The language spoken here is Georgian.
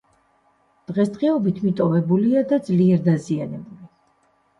დღესდღეობით მიტოვებულია და ძლიერ დაზიანებული.